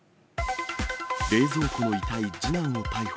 冷蔵庫の遺体、次男を逮捕。